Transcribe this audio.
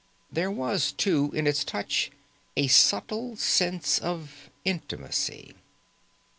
There was, too, in its touch a subtle sense of intimacy.